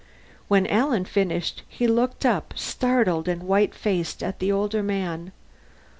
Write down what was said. When Alan finished, he looked up startled and white faced at the older man.